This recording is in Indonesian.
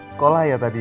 sekolah ya tadi ya